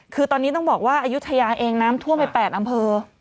คือตอนนี้ต้องบอกว่าอายุทยาเองน้ำท่วมไป๘อำเภอ